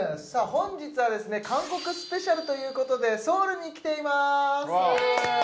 本日はですね韓国スペシャルということでソウルに来ていますイエーイ！